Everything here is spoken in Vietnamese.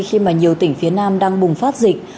khi mà nhiều tỉnh phía nam đang bùng phát dịch